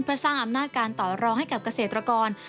เพื่อสร้างอำนาจการต่อรองให้กับเกษตรกร